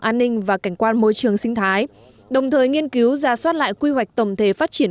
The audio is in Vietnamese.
an ninh và cảnh quan môi trường sinh thái đồng thời nghiên cứu ra soát lại quy hoạch tổng thể phát triển